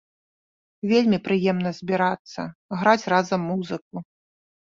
Вельмі прыемна збірацца, граць разам музыку!